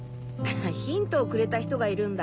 ヒントをくれた人がいるんだ。